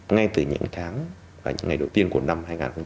ngay từ những tháng và những ngày đầu tiên của năm hai nghìn một mươi tám